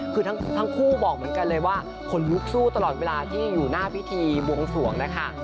คือทั้งคู่บอกเหมือนกันเลยว่าขนลุกสู้ตลอดเวลาที่อยู่หน้าพิธีบวงสวงนะคะ